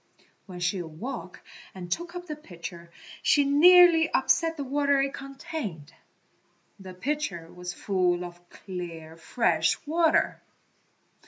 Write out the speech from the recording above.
When she awoke and took up the pitcher she nearly upset the water it contained. The pitcher was full of clear, fresh water.